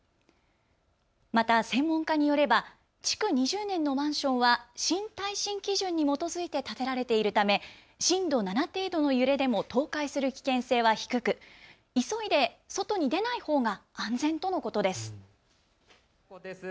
また専門家によれば築２０年のマンションは新耐震基準に基づいて建てられているため震度７程度の揺れでも倒壊する危険性は低く、急いで外に出ないほうが安全とのことです。